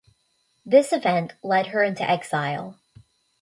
This event led her into exile.